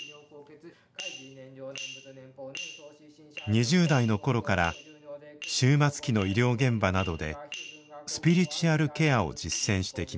２０代の頃から終末期の医療現場などでスピリチュアルケアを実践してきました。